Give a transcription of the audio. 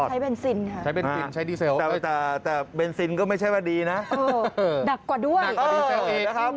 ไม่ใช้เบนซินค่ะแต่เบนซินก็ไม่ใช่แบบดีนะหนักกว่าดีเซลอีกนะครับ